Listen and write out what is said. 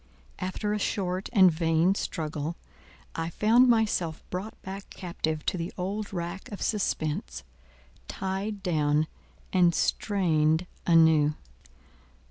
After a short and vain struggle, I found myself brought back captive to the old rack of suspense, tied down and strained anew.